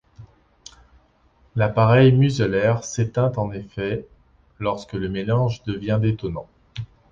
L'appareil Mueseler s'éteint, en effet, lorsque le mélange devient détonant.